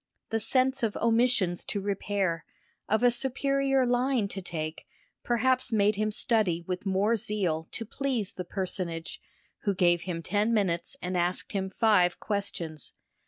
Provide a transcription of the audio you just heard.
The sense of omissions to repair, of a superior line to take, perhaps made him study with more zeal to please the personage, who gave him ten minutes and asked him five questions.